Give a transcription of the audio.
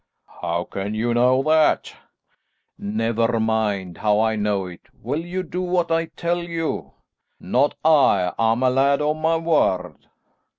"How can you know that?" "Never mind how I know it. Will you do what I tell you?" "Not I! I'm a lad o' my word."